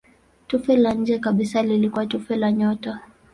Tufe la nje kabisa lilikuwa tufe la nyota.